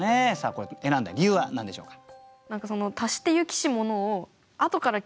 これ選んだ理由は何でしょうか。